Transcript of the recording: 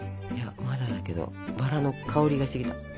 いやまだだけどバラの香りがしてきた。